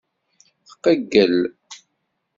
Tqeyyel.